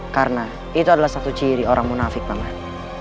karena itu adalah satu ciri orang munafik paman